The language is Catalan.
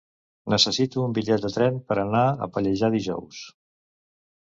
Necessito un bitllet de tren per anar a Pallejà dijous.